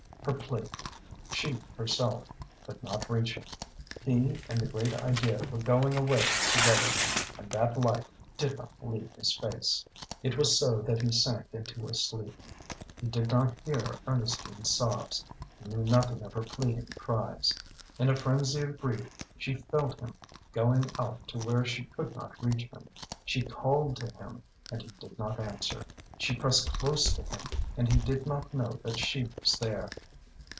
Her plea she herself could not reach him. He and the great idea were going away together. And that light did not leave his face. It was so that he sank into a sleep. He did not hear Ernestine's sobs; he knew nothing of her pleading cries. In a frenzy of grief she felt him going out to where she could not reach him. She called to him, and he did not answer. She pressed close to him, and he did not know that she was there.